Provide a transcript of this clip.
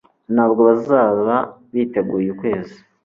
ntabwo bazaba biteguye ukwezi